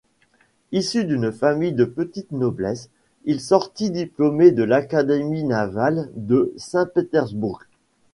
Issu d'une famille de petite noblesse, il sortit diplômé de l'Académie navale de Saint-Pétersbourg.